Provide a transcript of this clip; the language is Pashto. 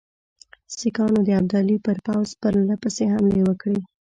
سیکهانو د ابدالي پر پوځ پرله پسې حملې وکړې.